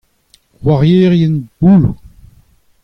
c'hoarierien bouloù.